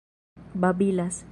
babilas